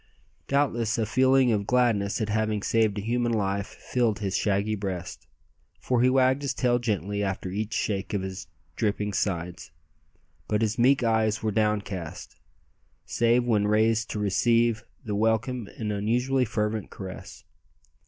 Doubtless a feeling of gladness at having saved a human life filled his shaggy breast, for he wagged his tail gently after each shake of his dripping sides; but his meek eyes were downcast, save when raised to receive the welcome and unusually fervent caress.